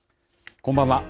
こんばんは。